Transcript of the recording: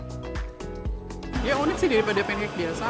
ya unik sih daripada pancake biasa